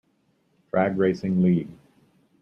Drag Racing League.